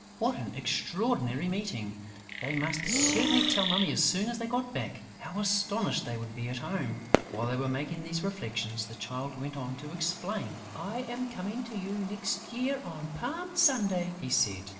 What an extraordinary meeting! They must certainly tell Mummy as soon as they got back! How astonished they would be at home! While they were making these reflections, the Child went on to explain: "I am coming to you next year, on Palm Sunday," he said.